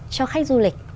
cho khách du lịch